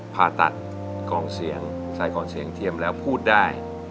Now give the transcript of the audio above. ผ่าตัดกองเสียงใส่กองเสียงเทียมแล้วพูดได้